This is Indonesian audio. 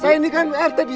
saya yang bilang berhenti